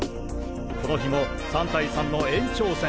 この日も３対３の延長戦。